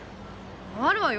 あるわよ